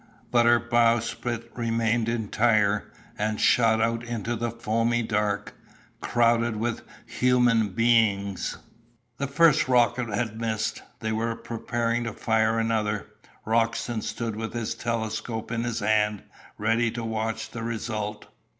But her bowsprit remained entire, and shot out into the foamy dark, crowded with human beings. The first rocket had missed. They were preparing to fire another. Roxton stood with his telescope in his hand, ready to watch the result.